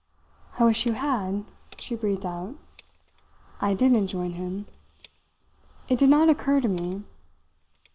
"I wish you had," she breathed out. "I didn't join him. It did not occur to me.